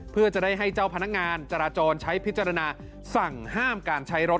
เพื่อจะได้ให้เจ้าพนักงานจราจรใช้พิจารณาสั่งห้ามการใช้รถ